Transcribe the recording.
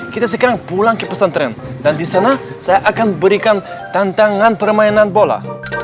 kita sekarang pulang ke pesantren dan di sana saya akan berikan tantangan permainan bola